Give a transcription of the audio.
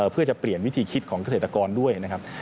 เพื่อจะเปลี่ยนวิธีคิดของเกษตรกรด้วยนะครับ